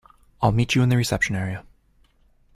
I'll meet you in the reception area.